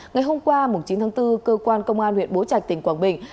ngày hôm qua chín tháng bốn cơ quan công an huyện bố trạch tỉnh quảng bình